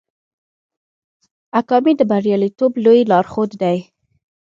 اکامي د بریالیتوب لوی لارښود دی.